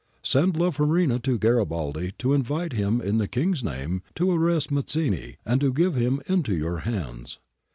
Send La Farina to Garibaldi to invite him in the King's name to arrest Mazzini, and to give him into your hands.